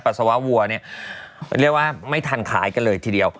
สาววัวเนี่ยเรียกว่าไม่ทันขายกันเลยทีเดียว